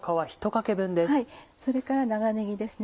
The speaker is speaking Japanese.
それから長ねぎです。